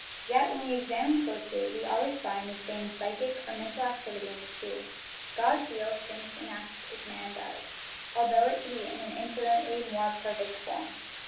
Yet, when we examine closely, we always find the same psychic or mental activity in the two. God feels, thinks, and acts as man does, although it be in an infinitely more perfect form.